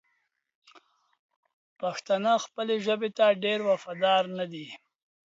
پښتانه خپلې ژبې ته ډېر وفادار ندي!